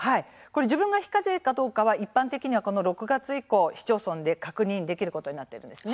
自分が非課税かどうかは一般的には６月以降確認できることになっています。